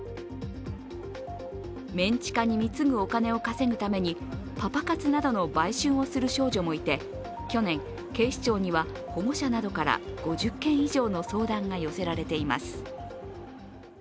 メン地下に貢ぐお金を稼ぐためにパパ活などの売春をする少女もいて、去年、警視庁には保護者などから５０件以上の相談が寄せられています。